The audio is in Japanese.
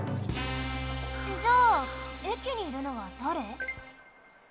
じゃあえきにいるのはだれ？